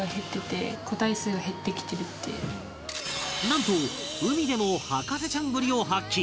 なんと海でも博士ちゃんぶりを発揮